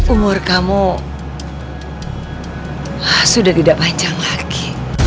umur kamu sudah tidak panjang lagi